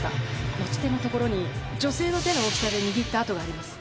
持ち手のところに女性の手の大きさで握った跡があります。